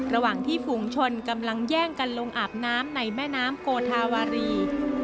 ระหว่างที่ฝูงชนกำลังแย่งกันลงอาบน้ำในแม่น้ำโกธาวารี